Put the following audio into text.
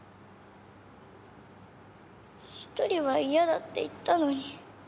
１人は嫌だって言ったのに。